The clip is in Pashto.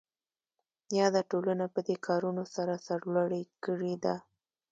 یاده ټولنه پدې کارونو سره سرلوړې کړې ده.